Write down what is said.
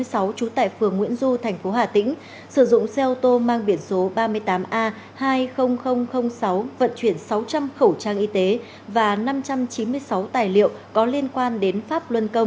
trú tại phường nguyễn du thành phố hà tĩnh sử dụng xe ô tô mang biển số ba mươi tám a hai mươi nghìn sáu vận chuyển sáu trăm linh khẩu trang y tế và năm trăm chín mươi sáu tài liệu có liên quan đến pháp luân công